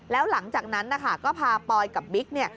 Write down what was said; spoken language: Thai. แล้วหลังจากนั้นนะคะก็พาปอยกับบิ๊กเนี่ย